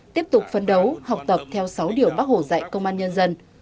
tiếp tục phân đấu học tập theo sáu điều bác hổ dạy công an nhân dân